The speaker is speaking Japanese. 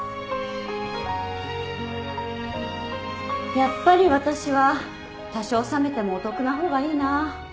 やっぱり私は多少冷めてもお得な方がいいな。